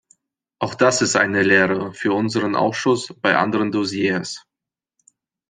Auch das ist eine Lehre für unseren Ausschuss bei anderen Dossiers.